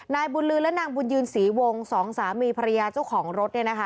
นายบุญลือและนางบุญยืนศรีวงสองสามีภรรยาเจ้าของรถ